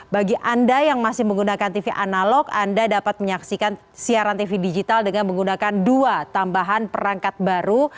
bagi anda yang masih menggunakan tv analog anda dapat menyaksikan siaran tv digital dengan menggunakan dua tambahan perangkat baru